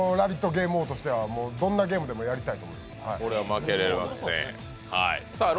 ゲーム王としてはどんなゲームでもやりたい。